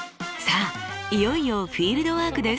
いよいよフィールドワークです。